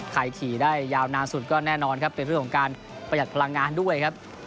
ขี่ได้ยาวนานสุดก็แน่นอนครับเป็นเรื่องของการประหยัดพลังงานด้วยครับ